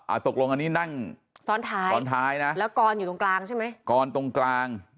อ่าตกลงอันนี้นั่งซ้อนท้ายแล้วกรอยู่ตรงกลางใช่ไหมกรตรงกลาง